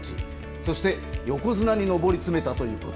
そして、横綱に上り詰めたということ。